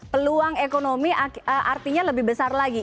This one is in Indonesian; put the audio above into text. peluang ekonomi artinya lebih besar lagi